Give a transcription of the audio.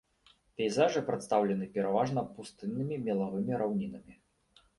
Пейзажы прадстаўлены пераважна пустыннымі мелавымі раўнінамі.